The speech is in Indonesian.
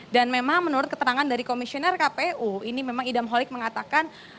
dan memang menurut keterangan dari komisioner kpu ini memang idam holik mengatakan